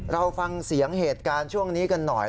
เราฟังเสียงเหตุการณ์ช่วงนี้กันหน่อย